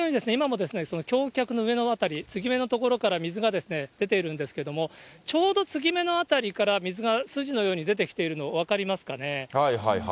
ご覧のように今も橋脚の上の辺り、継ぎ目の辺りから水が出ているんですけれども、ちょうど継ぎ目のあたりから水が筋のように出ているのが分かりますかね？